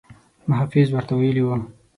محافظ ورته ویلي وو.